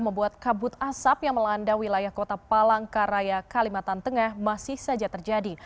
membuat kabut asap yang melanda wilayah kota palangkaraya kalimantan tengah masih saja terjadi